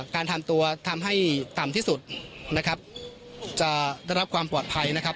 การทำตัวทำให้ต่ำที่สุดนะครับจะได้รับความปลอดภัยนะครับ